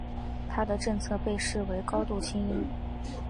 他的政策被视为高度亲英。